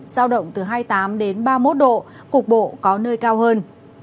giao động từ hai mươi tám đến ba mươi một độ cục bộ có nơi cao hơn